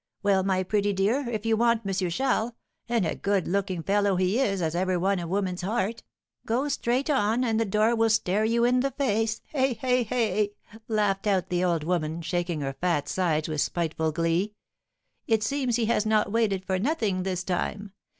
Well, my pretty dear, if you want M. Charles, and a good looking fellow he is as ever won a woman's heart, go straight on, and the door will stare you in the face. Eh! eh! eh!" laughed out the old woman, shaking her fat sides with spiteful glee, "it seems he has not waited for nothing this time.